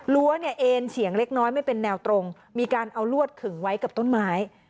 เนี่ยเอ็นเฉียงเล็กน้อยไม่เป็นแนวตรงมีการเอาลวดขึงไว้กับต้นไม้